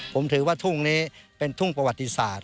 ผมถือว่าทุ่งนี้เป็นทุ่งประวัติศาสต